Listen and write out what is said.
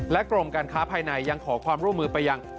กรมการค้าภายในยังขอความร่วมมือไปยัง